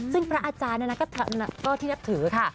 ซึ่งพระอาจารย์ก็ที่นับถือค่ะ